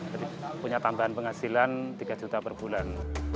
jadi punya tambahan penghasilan tiga juta per bulan